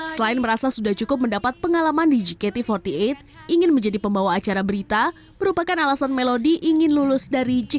selain merasa sudah cukup mendapat pengalaman di gkt empat puluh delapan ingin menjadi pembawa acara berita merupakan alasan melodi ingin lulus dari g dua puluh